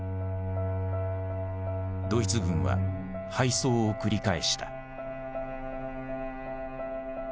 ドイツ軍は敗走を繰り返した。